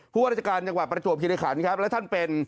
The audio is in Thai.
ผู้ว่าราชการจังหวัดประตูพิริขันต์ครับแล้วท่านเป็น